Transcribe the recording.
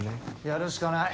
やるしかない。